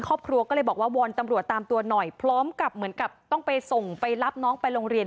ครอบครัวก็เลยบอกว่าวอนตำรวจตามตัวหน่อยพร้อมกับเหมือนกับต้องไปส่งไปรับน้องไปโรงเรียน